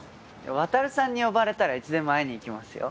渉さんに呼ばれたらいつでも会いに行きますよ。